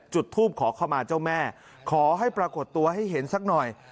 จุดทูปขอเข้ามาเจ้าแม่ขอให้ปรากฏตัวให้เห็นสักหน่อย